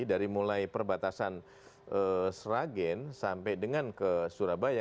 dari mulai perbatasan sragen sampai dengan ke surabaya